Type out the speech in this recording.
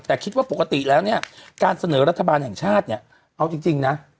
แต่คิดว่าปกติแล้วเนี่ยการเสนอรัฐบาลแห่งชาติเนี่ยเอาจริงนะ